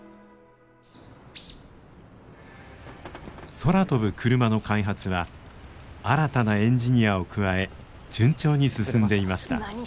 空飛ぶクルマの開発は新たなエンジニアを加え順調に進んでいました。